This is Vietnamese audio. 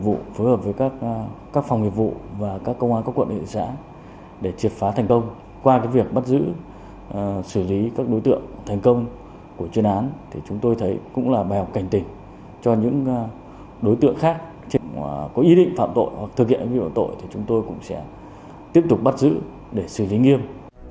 đối hợp với các phòng nghiệp vụ và các công an các quận địa xã để triệt phá thành công qua việc bắt giữ xử lý các đối tượng thành công của chuyên án chúng tôi thấy cũng là bài học cảnh tình cho những đối tượng khác có ý định phạm tội hoặc thực hiện hành vi phạm tội chúng tôi cũng sẽ tiếp tục bắt giữ để xử lý nghiêm